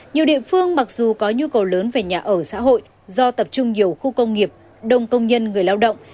nhiều địa phương mặc dù có nhu cầu lớn về nhà ở xã hội do tập trung nhiều khu công nghiệp đông công nhân người lao động